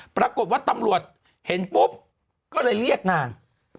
ปรากฏว่าตำรวจเห็นปุ๊บก็เลยเรียกนาง